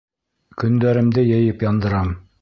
Көндәремде йыйып яндырам...